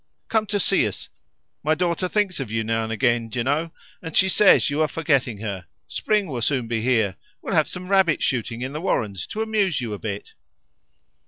Come to see us; my daughter thinks of you now and again, d'ye know, and she says you are forgetting her. Spring will soon be here. We'll have some rabbit shooting in the warrens to amuse you a bit."